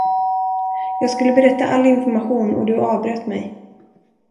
Jag skulle berätta all information och du avbröt mig.